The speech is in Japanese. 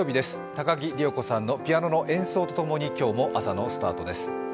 高木里代子さんのピアノの演奏と共に今日も朝のスタートです。